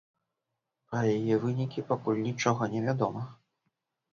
Пра яе вынікі пакуль нічога невядома.